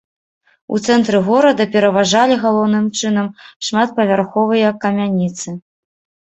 У цэнтры горада пераважалі галоўным чынам шматпавярховыя камяніцы.